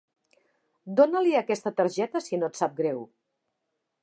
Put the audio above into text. Dona-li aquesta targeta si no et sap greu.